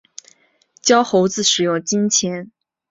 教猴子使用金钱